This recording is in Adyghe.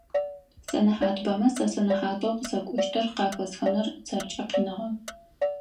Сэнэхьатыбэмэ зы сэнэхьатэу къысэкӏущтыр къахэсхыныр сэркӏэ къиныгъэ.